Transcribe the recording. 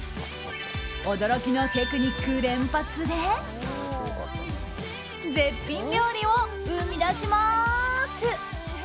驚きのテクニック連発で絶品料理を生み出します！